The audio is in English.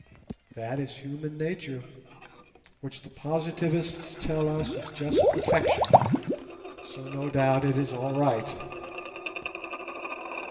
That is human nature, which the Positivists tell us is just perfection; so no doubt it is all right.